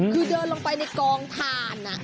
คือเดินลงไปในกองถ่าน